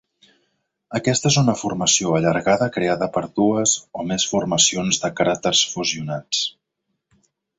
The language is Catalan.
Aquesta és una formació allargada creada per dues o més formacions de cràters fusionats.